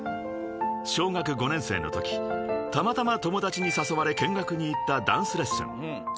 ［小学５年生のときたまたま友達に誘われ見学に行ったダンスレッスン］